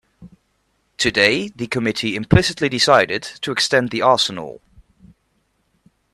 Today the committee implicitly decided to extend the arsenal.